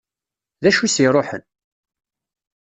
D acu i s-iruḥen?